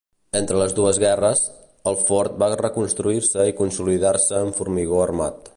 Entre les dues guerres, el fort va reconstruir-se i consolidar-se amb formigó armat.